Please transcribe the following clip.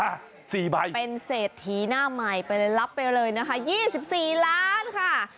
๔ใบเป็นเศรษฐีหน้าใหม่ไปเลยรับไปเลยนะคะ๒๔ล้านค่ะ